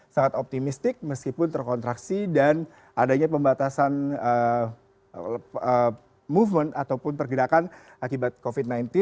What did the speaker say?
sangat optimistik meskipun terkontraksi dan adanya pembatasan movement ataupun pergerakan akibat covid sembilan belas